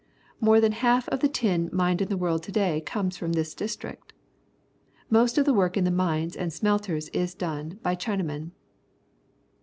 IMore than half of the tin mined in the world to day comes from this district. Most of the work in the tin mines and smeltere is done by Chinamen.